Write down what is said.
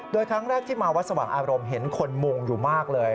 โดยครั้งแรกที่มาวัดสว่างอารมณ์เห็นคนมุงอยู่มากเลย